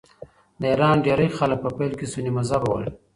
د ایران ډېری خلک په پیل کې سني مذهبه ول.